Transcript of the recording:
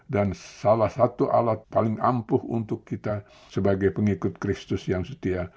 dan salah satu alat paling ampuh untuk kita sebagai pengikut kristus yang setia